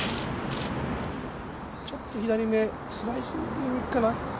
ちょっと左めスライス、右にいくかな。